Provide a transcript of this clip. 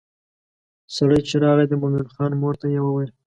سړی چې راغی د مومن خان مور ته یې وویل.